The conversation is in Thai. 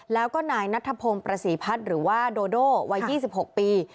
แล้วก็นายนัทพงศ์ประศรีพัฒน์หรือว่าโดโดวัย๒๖ปี